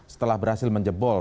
setelah berhasil menjebol